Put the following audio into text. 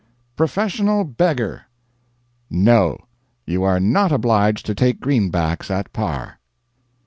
"PROFESSIONAL BEGGAR." NO; you are not obliged to take greenbacks at par.